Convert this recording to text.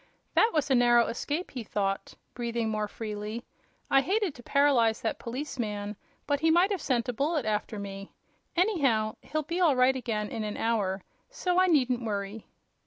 "That was a narrow escape," he thought, breathing more freely. "I hated to paralyze that policeman, but he might have sent a bullet after me. Anyhow, he'll be all right again in an hour, so I needn't worry."